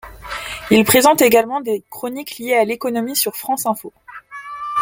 Il présente également des chroniques liées à l'économie sur France Info.